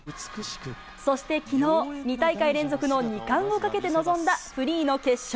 そしてきのう、２大会連続の２冠をかけて臨んだ、フリーの決勝。